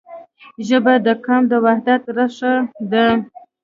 ژبه د قام د وحدت رښه ده.